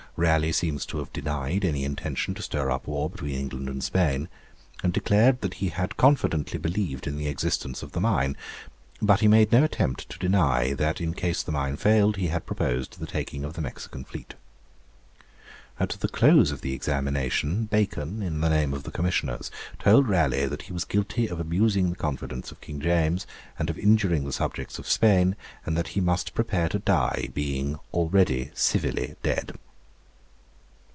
Raleigh seems to have denied any intention to stir up war between England and Spain, and declared that he had confidently believed in the existence of the mine. But he made no attempt to deny that in case the mine failed he had proposed the taking of the Mexican fleet. At the close of the examination, Bacon, in the name of the Commissioners, told Raleigh that he was guilty of abusing the confidence of King James and of injuring the subjects of Spain, and that he must prepare to die, being 'already civilly dead.'